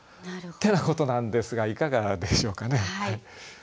ってなことなんですがいかがでしょうかね。